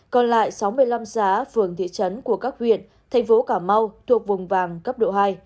còn lại sáu mươi năm xã phường thị trấn của các huyện thành phố cà mau thuộc vùng vàng cấp độ hai